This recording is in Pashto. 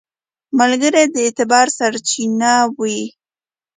ملګری د اعتبار سرچینه وي